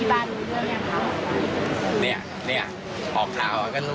พอมาถึงก็ใจร้อนสตาร์ทรถก่อน